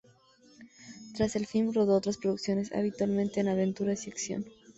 Tras ese film rodó otras producciones, habitualmente de aventuras y acción.